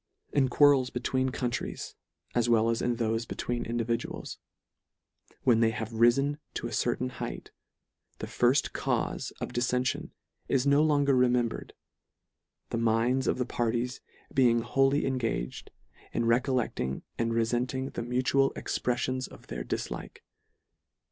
In quarrels between countries, as well as in thofe between individuals, when they have rifen to a certain heighth, the firft cause of diffention is no longer remembred, the minds of the parties being wholly engaged in re collecting and refenting the mutual expref fions of their dillike.